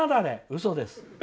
うそです。